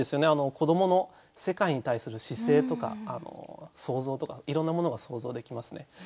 子どもの世界に対する姿勢とか想像とかいろんなものが想像できますね。